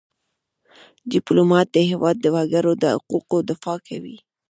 ډيپلومات د هېواد د وګړو د حقوقو دفاع کوي .